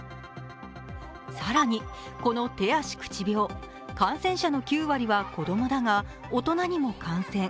更に、この手足口病、感染者の９割は子どもだが、大人にも感染。